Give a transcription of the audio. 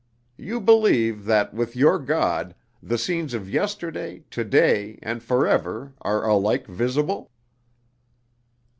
You believe that with your God, the scenes of yesterday, to day, and forever are alike visible?"